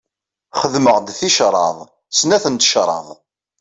Xedmeɣ-d ticraḍ, snat n tecraḍ.